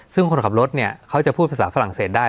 ซึ่งคนขับรถเนี่ยเขาจะพูดภาษาฝรั่งเศสได้